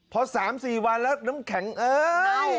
พอ๓๔วันแล้วน้ำแข็งเอ้ย